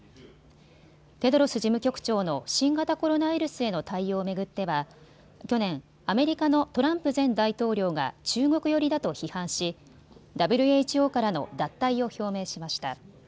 テドロス事務局長の新型コロナウイルスへの対応を巡っては去年、アメリカのトランプ前大統領が中国寄りだと批判し、ＷＨＯからの脱退を表明しました。